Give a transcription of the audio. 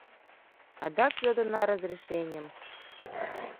Адак йодына разрешеньым